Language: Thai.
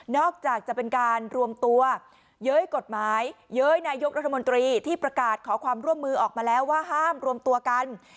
จะเป็นการรวมตัวเย้ยกฎหมายเย้ยนายกรัฐมนตรีที่ประกาศขอความร่วมมือออกมาแล้วว่าห้ามรวมตัวกัน